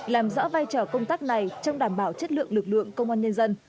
làm rõ vai trò công tác này trong đảm bảo chất lượng lực lượng công an nhân dân